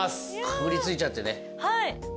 かぶりついちゃってねはい！